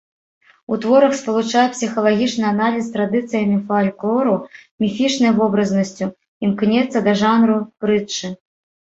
У творах спалучае псіхалагічны аналіз з традыцыямі фальклору, міфічнай вобразнасцю, імкнецца да жанру прытчы.